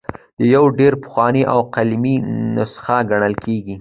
دا یوه ډېره پخوانۍ او قلمي نسخه ګڼل کیږي.